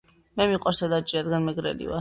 მე მიყვარს ელარჯი რადგან მეგრელი ვარ.